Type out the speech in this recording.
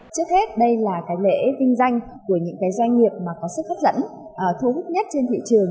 trước hết đây là lễ vinh danh của những doanh nghiệp có sức hấp dẫn thu hút nhất trên thị trường